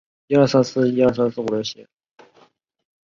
各国使用的乘法表有可能不太一样。